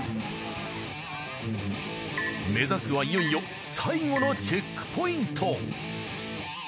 目指すはいよいよ最後のチェックポイント。